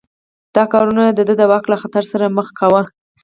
دا کارونه د ده واک له خطر سره مخ کاوه.